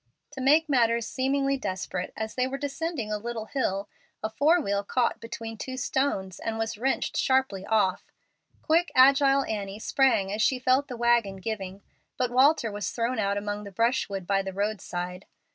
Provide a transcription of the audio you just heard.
To make matters seemingly desperate, as they were descending a little hill a fore wheel caught between two stones and was wrenched sharply off. Quick, agile Annie sprang as she felt the wagon giving, but Walter was thrown out among the brushwood by the roadside.